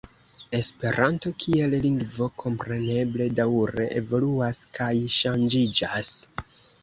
Esperanto kiel lingvo kompreneble daŭre evoluas kaj ŝanĝiĝas.